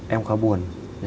em khá buồn